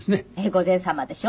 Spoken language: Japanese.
御前様でしょ。